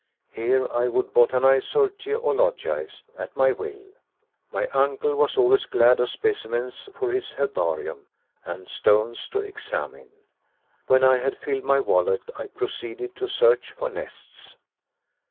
Here I would botanize or geologize at my will. My uncle was always glad of specimens for his herbarium, and stones to examine. When I had filled my wallet, I proceeded to search for nests.